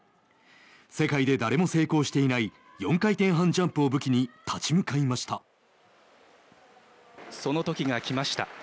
世界で誰も成功していない４回転半ジャンプを武器に立ち向かいました。